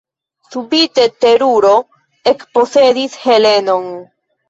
Subite teruro ekposedis Helenon.